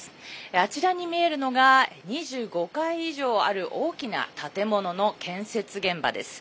あちらに見えるのが２５階以上ある大きな建物の建設現場です。